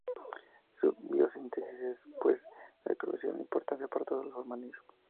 Su biosíntesis es, pues, de crucial importancia para todos los organismos.